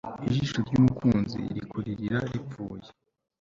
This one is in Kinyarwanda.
ijisho ry'umukunzi rikuririra ripfuye